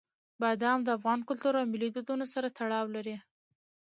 بادام د افغان کلتور او ملي دودونو سره تړاو لري.